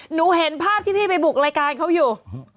หนูเห็นภาพที่พี่ไปบุกรายการเขาอยู่